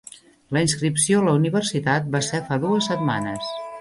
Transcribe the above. La inscripció a la universitat va ser fa dues setmanes.